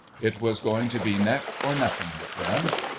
It was going to be neck or nothing with them.